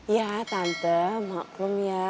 ya tante maklum ya